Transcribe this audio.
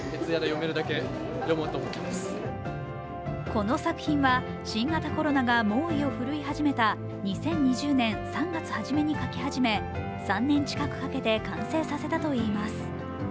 この作品は新型コロナが猛威を振るい始めた２０２０年３月はじめに書き始め、３年近くかけて完成させたといいます。